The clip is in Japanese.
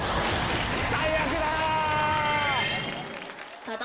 最悪だ！